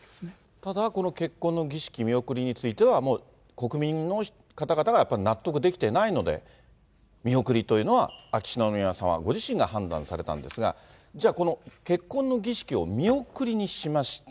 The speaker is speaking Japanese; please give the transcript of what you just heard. ただこの結婚の儀式見送りについては、もう国民の方々が、やっぱり納得できてないので、見送りというのは秋篠宮さまご自身が判断されたんですが、じゃあ、この結婚の儀式を見送りにしました。